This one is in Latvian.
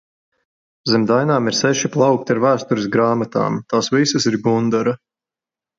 Zem dainām ir seši plaukti ar vēstures grāmatām, tās visas ir Gundara.